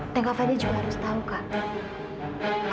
dan kak fadil juga harus tahu kak